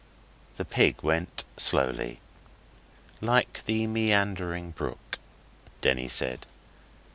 The pig went slowly, 'Like the meandering brook,' Denny said.